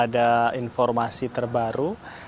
ada informasi terbaru